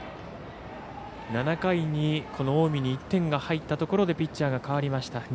７回にこの近江に１点が入ったところでピッチャーが代わりました。